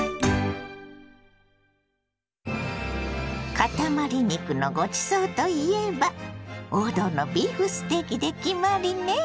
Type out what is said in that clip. かたまり肉のごちそうといえば王道のビーフステーキで決まりね！